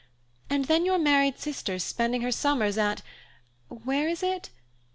And then your married sister's spending her summers at where is it?